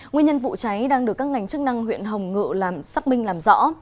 nguyên nhân vụ cháy đang được các ngành chức năng huyện hồng ngự xác minh làm rõ